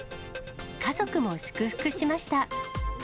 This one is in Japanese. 家族も祝福しました。